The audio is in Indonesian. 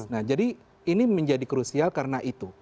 nah jadi ini menjadi krusial karena itu